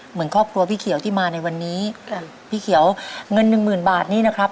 เหมือนครอบครัวพี่เขียวที่มาในวันนี้พี่เขียวเงินหนึ่งหมื่นบาทนี่นะครับ